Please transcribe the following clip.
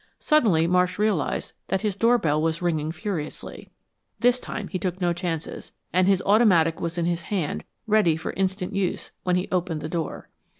Suddenly Marsh realized that his doorbell was ringing furiously. This time he took no chances, and his automatic was in his hand ready for instant use when he opened the door.